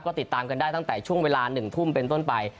ก็ติดตามกันได้ตั้งแต่ช่วงเวลา๑ทุ่มเป็นต้นไป